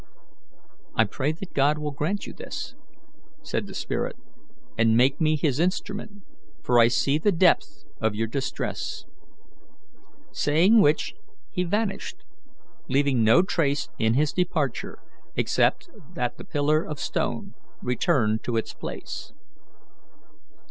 "I pray that God will grant you this," said the spirit, "and make me His instrument, for I see the depth of your distress." Saying which, he vanished, leaving no trace in his departure except that the pillar of stone returned to its place.